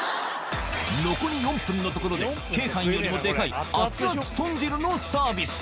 残り４分のところで鶏飯よりもでかいアツアツ豚汁のサービス